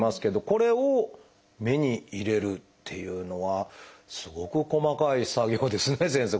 これを目に入れるっていうのはすごく細かい作業ですね先生